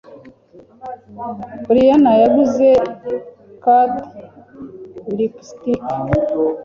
Brian yaguze Kate lipstick.